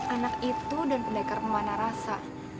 anak itu dan pendaikar pemanah rasa